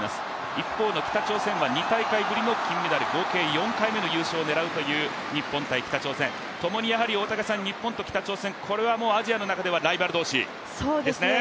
一方の北朝鮮は２大会ぶりの金メダル、合計４回目の優勝を狙うという日本×北朝鮮、日本と北朝鮮はともにアジアの中ではライバル同士ですね。